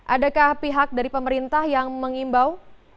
adakah pihak dari pemerintah yang mengimbau